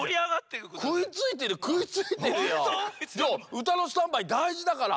うたのスタンバイだいじだから。